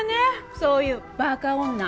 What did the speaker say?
そういうバカ女。